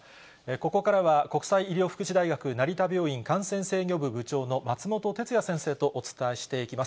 ここからは、国際医療福祉大学成田病院感染制御部部長の松本哲哉先生とお伝えしていきます。